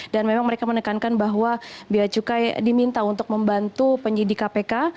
dan memang mereka menekankan bahwa bia cukai diminta untuk membantu penyidik kpk